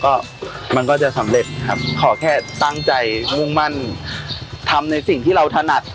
ก็มันก็จะสำเร็จครับขอแค่ตั้งใจมุ่งมั่นทำในสิ่งที่เราถนัด